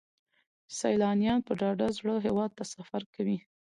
سیلانیان په ډاډه زړه هیواد ته سفر کوي.